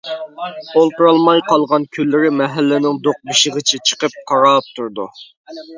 ئولتۇرالماي قالغان كۈنلىرى مەھەللىنىڭ دوقمۇشىغىچە چىقىپ قاراپ تۇرىدۇ.